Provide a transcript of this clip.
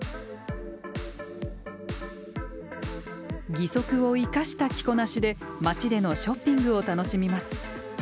義足を生かした着こなしで街でのショッピングを楽しみます。